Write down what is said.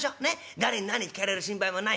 誰に何聞かれる心配もない。